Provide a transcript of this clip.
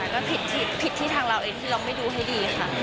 ก็ผิดที่ทางเราเองคือเราไม่ดูให้ดีค่ะ